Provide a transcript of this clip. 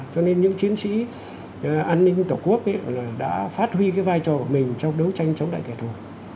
cho nên những chiến sĩ an ninh tổ quốc đã phát huy cái vai trò của mình trong đấu tranh chống lại kẻ thù